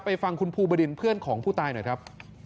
ฟังคุณภูบดินเพื่อนของผู้ตายหน่อยครับ